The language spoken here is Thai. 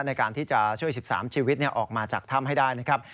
ในการที่จะช่วย๑๓ชีวิตออกมาจากถ้ำให้ได้นะครับ